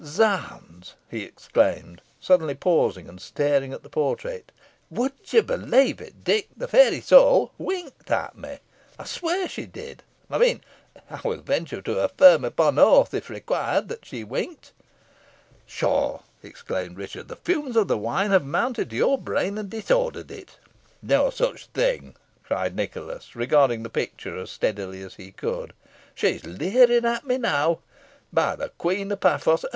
Zounds!" he exclaimed, suddenly pausing, and staring at the portrait "Would you believe it, Dick? The fair Isole winked at me I'll swear she did. I mean I will venture to affirm upon oath, if required, that she winked." "Pshaw!" exclaimed Richard. "The fumes of the wine have mounted to your brain, and disordered it." "No such thing," cried Nicholas, regarding the picture as steadily as he could "she's leering at me now. By the Queen of Paphos!